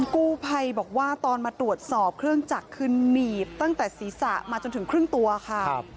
กู้ภัยบอกว่าตอนมาตรวจสอบเครื่องจักรคือหนีบตั้งแต่ศีรษะมาจนถึงครึ่งตัวค่ะ